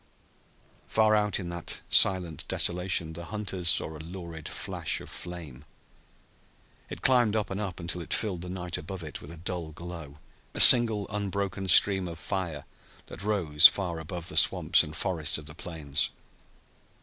Far out in that silent desolation the hunters saw a lurid flash of flame. It climbed up and up, until it filled the night above it with a dull glow a single unbroken stream of fire that rose far above the swamps and forests of the plains.